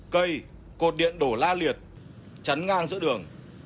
cây cột điện đổ la liệt chắn ngang giữa đường